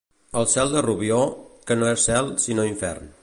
El cel de Rubió, que no és cel sinó infern.